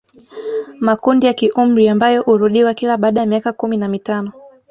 Makundi ya kiumri ambayo urudiwa kila baada ya miaka kumi na mitano